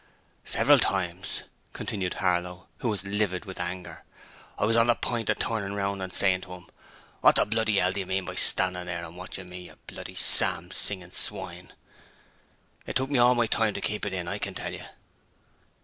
'Several times,' continued Harlow, who was livid with anger, 'I was on the point of turnin' round and sayin' to 'im, "What the bloody 'ell do you mean by standin' there and watchin' me, you bloody, psalm singin' swine?" It took me all my time to keep it in, I can tell you.'